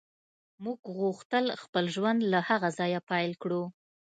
موږ غوښتل خپل ژوند له هغه ځایه پیل کړو